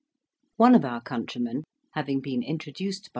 One of our countrymen, having been introduced by M.